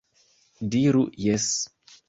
Diru jes!